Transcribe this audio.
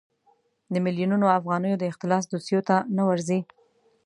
د میلیونونو افغانیو د اختلاس دوسیو ته نه ورځي.